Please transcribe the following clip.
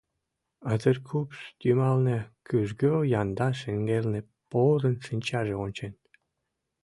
А теркупш йымалне кӱжгӧ янда шеҥгелне порын шинчаже ончен.